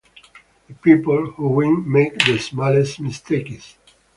The people who win make the smallest mistakes.